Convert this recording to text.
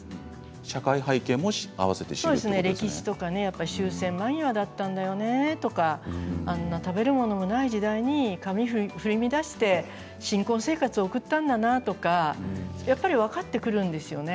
社会背景も終戦間際だっただよなとか食べ物がない時代に髪を振り乱して新婚生活を送ったんだなとか分かってくるんですよね。